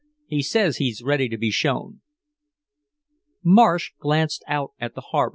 "He says he's ready to be shown." Marsh glanced out at the harbor.